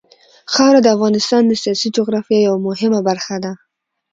خاوره د افغانستان د سیاسي جغرافیه یوه مهمه برخه ده.